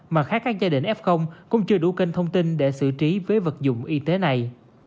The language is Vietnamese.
mà khác các gia đình f cũng chưa đủ kênh thông tin để xử trí với vật dụng y tế này